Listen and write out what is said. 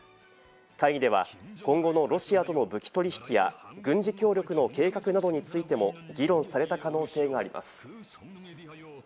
会議では今後のロシアとの武器取引や軍事協力の計画などについても議論された可能性があります。